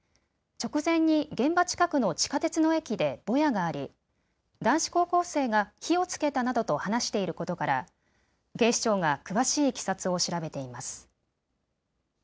直前に現場近くの地下鉄の駅でぼやがあり男子高校生が火をつけたなどと話していることから警視庁が詳しいいきさつを調べています。